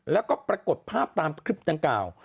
แล้วก็ปรากฏภาพตามคลิปดังกล่าว